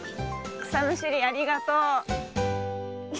くさむしりありがとう。